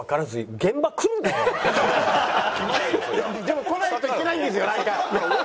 でも来ないといけないんですよなんか。